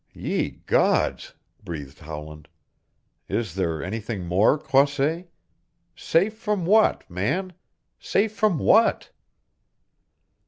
"Ye gods!" breathed Howland. "Is there anything more, Croisset? Safe from what, man? Safe from what?"